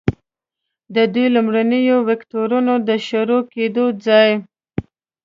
د دوو لومړنیو وکتورونو د شروع کیدو ځای.